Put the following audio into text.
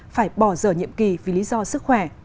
phải bỏ giờ nhiệm kỳ vì lý do sức khỏe